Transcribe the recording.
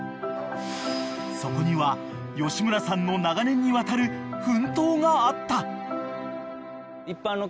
［そこには吉村さんの長年にわたる奮闘があった］